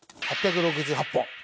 ８６８本。